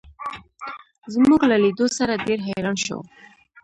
زموږ له لیدو سره ډېر حیران شو.